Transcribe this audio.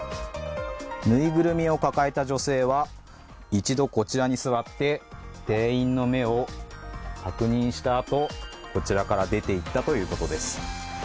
ぬいぐるみを抱えた女性は一度こちらに座って店員の目を確認したあと、こちらから出ていったということです。